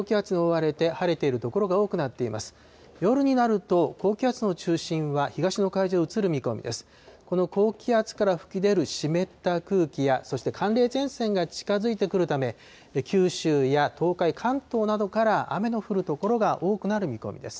この高気圧から吹き出る湿った空気や、そして寒冷前線が近づいてくるため、九州や東海、関東などから雨の降る所が多くなる見込みです。